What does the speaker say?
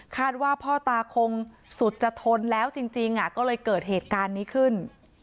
ว่าพ่อตาคงสุดจะทนแล้วจริงก็เลยเกิดเหตุการณ์นี้ขึ้น